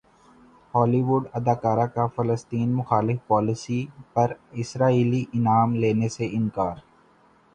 ہالی وڈ اداکارہ کا فلسطین مخالف پالیسی پر اسرائیلی انعام لینے سے انکار